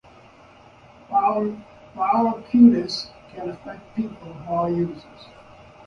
Folliculitis can affect people of all ages.